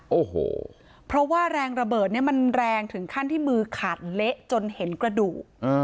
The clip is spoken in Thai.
โอ้โหเพราะว่าแรงระเบิดเนี่ยมันแรงถึงขั้นที่มือขาดเละจนเห็นกระดูก